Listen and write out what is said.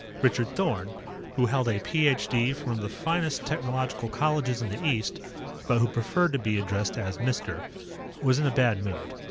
Richard Thorn who held a Ph.D. from one of the finest technological colleges in the East, but who preferred to be addressed as "Mister" was in a bad mood.